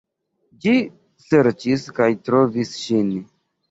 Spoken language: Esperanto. Ĝi serĉis kaj trovis ŝin.